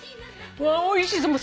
うわおいしそう。